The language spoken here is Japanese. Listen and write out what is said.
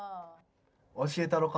教えたろか？